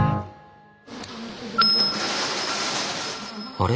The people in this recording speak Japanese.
あれ？